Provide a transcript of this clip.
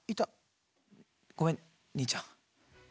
ごめん兄ちゃん。